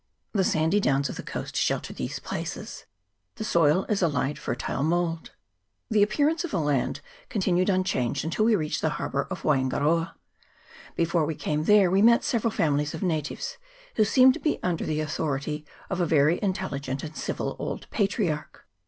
The sandy downs of 304 WAINGAROA HARBOUR. [PART II. the coast shelter these places ; the soil is a light fertile mould. The appearance of the land con tinued unchanged until we reached the harbour of Waingaroa. Before we came there we met several families of natives, who seem to be under the au thority of a very intelligent and civil old patriarch.